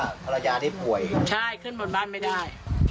คุณบินก็พยายามให้กำลังใจชวนคุยสร้างเสียงหัวเราะค่ะ